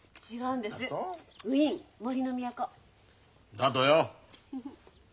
だとよ。